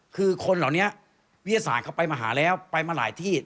คือคนเหล่านี้วิทยาศาสตร์เขาไปมหาแล้วไปมาหลายที่